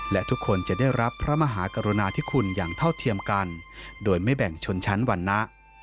และทุกคนจะได้รับพระมหากรุณาธิคุณอย่างเท่าเทียมกันโดยไม่แบ่งชนชั้นวันนะ